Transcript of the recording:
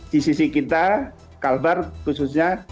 di sisi kita kalbar khususnya